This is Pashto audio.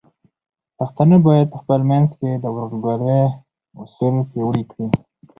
پښتانه بايد په خپل منځ کې د ورورګلوۍ اصول پیاوړي کړي.